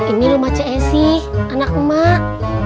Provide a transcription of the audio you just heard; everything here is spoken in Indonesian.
ini rumah seesi anak mak